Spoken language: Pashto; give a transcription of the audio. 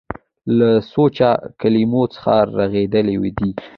له سوچه کلمو څخه رغېدلي دي.